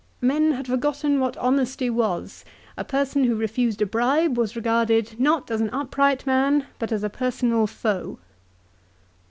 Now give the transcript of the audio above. "Men had forgotten what honesty was. A person who refused a bribe was regarded, not as an upright man but as a personal foe."